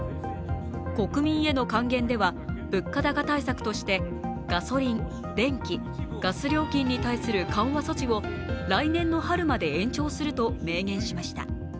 国民への還元では物価高対策としてガソリン、電気、ガス料金に対する緩和措置を来年の春まで延長すると明言しました。